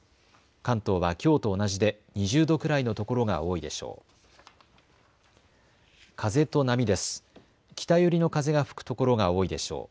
関東はきょうと同じで２０度くらいの所が多いでしょう。